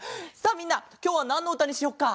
みんなきょうはなんのうたにしよっか？